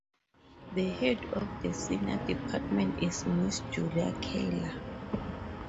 The head of the senior department is Ms Julie Keller.